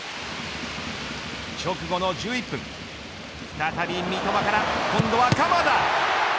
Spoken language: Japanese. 直後の１１分再び三笘から今度は鎌田。